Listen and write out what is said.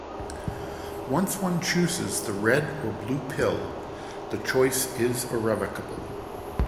Once one chooses the red or blue pill, the choice is irrevocable.